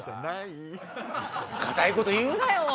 ・固いこと言うなよ。